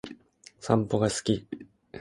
散歩が好き